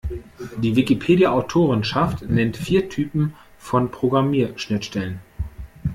Die Wikipedia-Autorenschaft nennt vier Typen von Programmierschnittstellen.